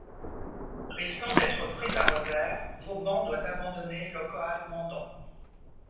Risquant d'être pris à revers, Vauban doit abandonner Locoal-Mendon.